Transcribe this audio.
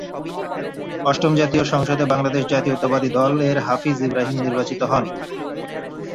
অষ্টম জাতীয় সংসদ এ বাংলাদেশ জাতীয়তাবাদী দল এর হাফিজ ইব্রাহিম নির্বাচিত হন।